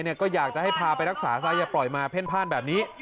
รู้จักใครก็อยากจะให้พารักษาทำไมก็อย่าปล่อยมาเพ่นภาพนี้